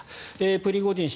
プリゴジン氏